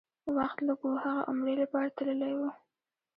وخت لږ و، هغه عمرې لپاره تللی و.